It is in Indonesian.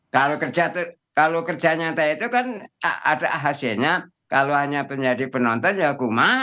kalau kerja nyata itu kan ada hasilnya kalau hanya menjadi penonton ya kuma